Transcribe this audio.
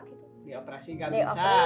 di operasi gak bisa